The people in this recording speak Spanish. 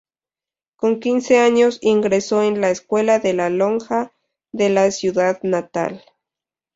Con quince años ingreso en la Escuela de la Lonja de su ciudad natal.